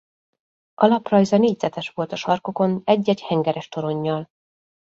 Alaprajza négyzetes volt a sarkokon egy-egy hengeres toronnyal.